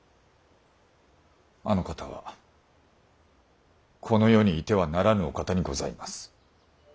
あの方はこの世にいてはならぬお方にございます。